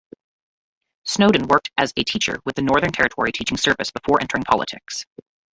Snowdon worked as a teacher with the Northern Territory teaching service before entering politics.